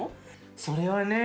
それはねえ！